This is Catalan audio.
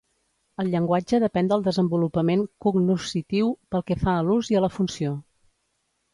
El llenguatge depèn del desenvolupament cognoscitiu pel que fa a l'ús i a la funció.